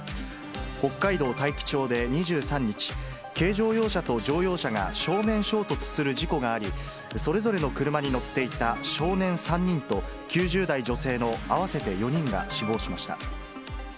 北海道大樹町で２３日、軽乗用車と乗用車が正面衝突する事故があり、それぞれの車に乗っていた少年３人と、９０代女性の合わせて４人が死亡しました。